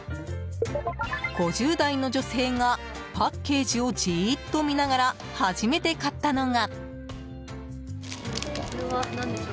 ５０代の女性がパッケージをじーっと見ながら初めて買ったのが。